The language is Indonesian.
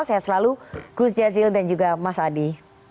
saya selalu gus jazil dan juga mas adi